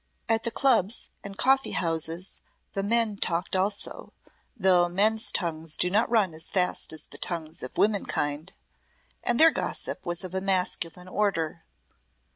At the clubs and coffee houses the men talked also, though men's tongues do not run as fast as the tongues of womenkind, and their gossip was of a masculine order.